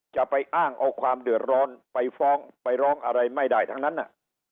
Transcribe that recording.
จะไปอ้างเอาความเดือดร้อนไปฟ้องไปร้องอะไรไม่ได้ทั้งนั้นน่ะ